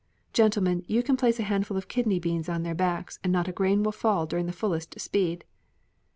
"Gentlemen, you can place a handful of kidney beans on their backs and not a grain will fall during the fullest speed."